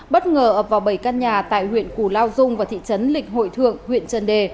bất ngờ ập vào bảy căn nhà tại huyện củ lao dung và thị trấn lịch hội thượng huyện trần đề